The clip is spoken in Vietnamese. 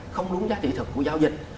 không đúng giá thị thực của giao dịch